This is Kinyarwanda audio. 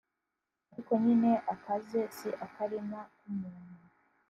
ariko nyine akaze si akarima k’umuntu